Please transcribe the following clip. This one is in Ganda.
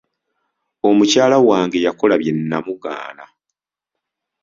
Omukyala wange yakola bye nnamugaana.